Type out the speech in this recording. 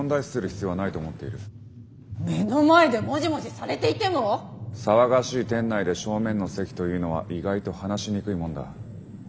騒がしい店内で正面の席というのは意外と話しにくいもんだ。